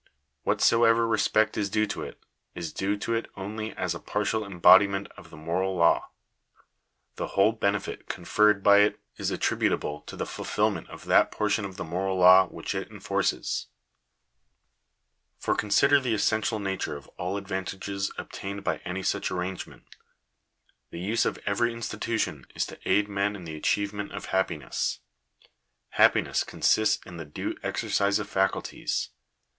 Whatsoever respect is due to it, is due to it only as a partial embodiment of the moral law. The whole benefit oonferred by it is attributable to the ful filment of that portion of the moral law which it enforces. For consider the essential nature of all advantages obtained by any such arrangement. The use of every institution is to aid men in the achievement of happiness. Happiness consists in the due exercise of faculties.